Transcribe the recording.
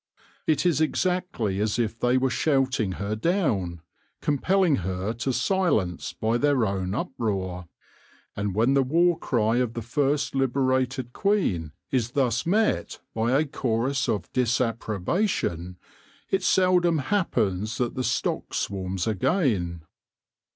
It is exactly as if they were shouting her down, compelling her to silence by their own uproar ; and when the war cry of the first liberated queen is thus met by a chorus of disapprobation, it seldom happens that the stock swarms again.